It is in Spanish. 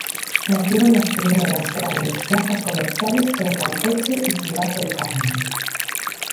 Nacieron las primeras grandes Plazas Comerciales en Campeche y Ciudad del Carmen.